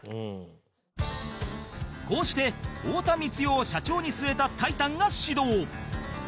こうして太田光代を社長に据えたタイタンが始動